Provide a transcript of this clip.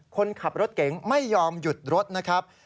คนขับรถเก๋งไม่ยอมหยุดรถนะครับ